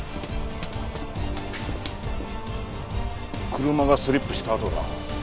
車がスリップした跡だ。